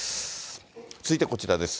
続いてこちらです。